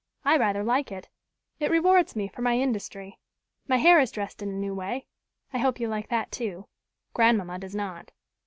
"I rather like it. It rewards me for my industry. My hair is dressed in a new way. I hope you like that too. Grandmamma does not."